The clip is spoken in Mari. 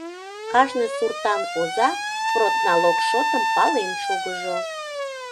Кажне суртан оза продналог шотым пален шогыжо.